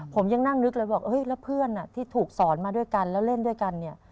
ผมยังนั่งนึกเลยบอกแล้วเพื่อนที่ถูกสอนมาด้วยกันแล้วเล่นด้วยกันเนี่ย